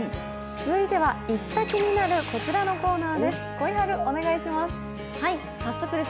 続いては行った気になるこちらのコーナーです。